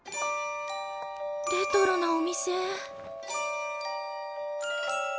レトロなお店。